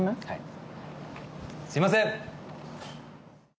はいすいません！